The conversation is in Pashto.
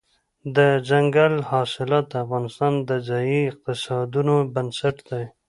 دځنګل حاصلات د افغانستان د ځایي اقتصادونو بنسټ دی.